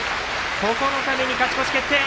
九日目に勝ち越し決定。